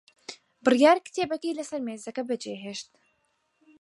بڕیار کتێبەکەی لەسەر مێزەکە بەجێهێشت.